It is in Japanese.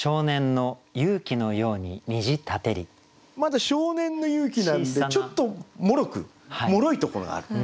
まだ少年の勇気なんでちょっともろくもろいところがある。